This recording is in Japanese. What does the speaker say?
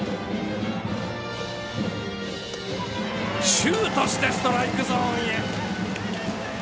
シュートしてストライクゾーンへ。